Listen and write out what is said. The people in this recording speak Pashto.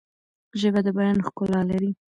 ژبه د بیان ښکلا لري.